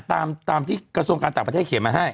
ตามที่กระทรวงการต่างประเทศเขียนมาให้